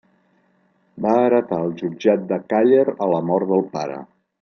Va heretar el jutjat de Càller a la mort del pare.